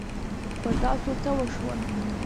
په تاسو څه وشول؟